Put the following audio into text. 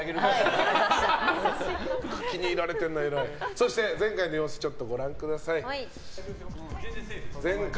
そして、前回の様子をちょっとご覧ください。